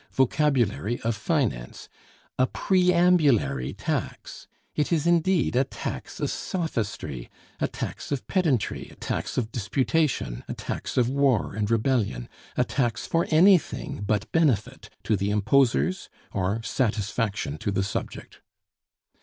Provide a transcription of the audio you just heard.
vocabulary of finance a preambulary tax. It is indeed a tax of sophistry, a tax of pedantry, a tax of disputation, a tax of war and rebellion, a tax for anything but benefit to the imposers or satisfaction to the subject....